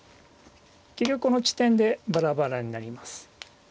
結局この地点でバラバラになります。